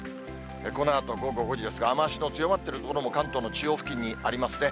このあと午後５時ですが、雨足の強まっている所も、関東の中央付近にありますね。